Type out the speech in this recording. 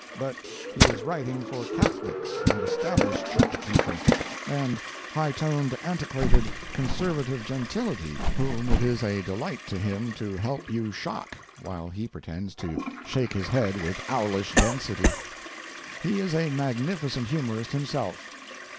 But he is writing for Catholics and Established Church people, and high toned, antiquated, conservative gentility, whom it is a delight to him to help you shock, while he pretends to shake his head with owlish density. He is a magnificent humorist himself.